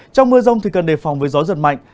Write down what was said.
trong mưa rông thì cần đề phòng với gió giật mạnh